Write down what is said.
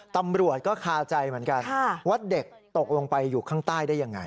ตำรวจก็คาใจเหมือนกันว่าเด็กตกลงไปอยู่ข้างใต้ได้ยังไง